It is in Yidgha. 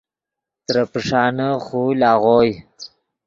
ترے پیݰانے خول آغوئے